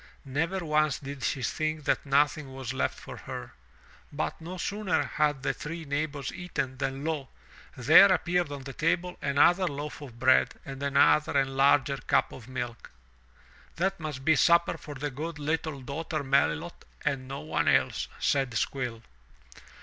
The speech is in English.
Never once did she think that nothing was left for herself. But no sooner had the three neighbors eaten, than lo! there appeared on the table another loaf of bread and another and larger cup of milk. "That must be supper for the good little daughter Melilot and no one else,'* said Squill.